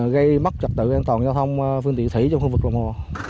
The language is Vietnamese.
gây mất trật tự an toàn giao thông phương tiện thủy trong khu vực lòng hồ